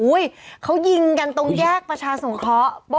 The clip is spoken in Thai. เขายิงกันตรงแยกประชาสงเคราะห์